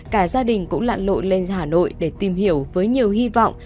cả gia đình cũng lặn lội lên hà nội để tìm hiểu với nhiều hy vọng